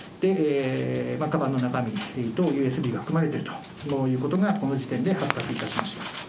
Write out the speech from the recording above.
かばんの中身にＵＳＢが含まれていると、この時点で発覚いたしました。